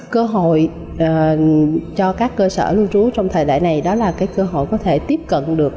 cơ hội cho các cơ sở lưu trú trong thời đại này đó là cơ hội có thể tiếp cận được